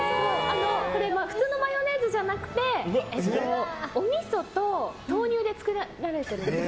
普通のマヨネーズじゃなくておみそと豆乳で作られてるんです。